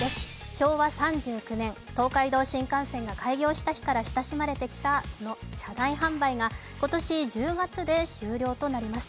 昭和３９年、東海道新幹線が開業してきた日から親しまれてきた、この車内販売が今年１０月で終了となります。